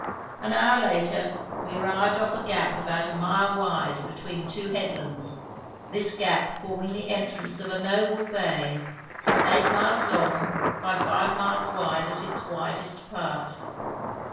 An hour later we arrived off a gap about a mile wide between two headlands, this gap forming the entrance of a noble bay some eight miles long by five miles wide at its widest part.